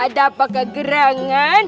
ada apa kegerangan